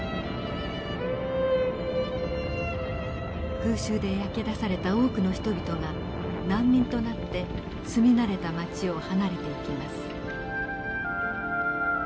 空襲で焼け出された多くの人々が難民となって住み慣れた町を離れていきます。